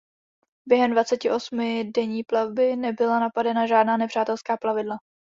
Během dvaceti osmi denní plavby nebyla napadena žádná nepřátelská plavidla.